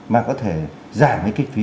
mà có thể giảm cái kinh phí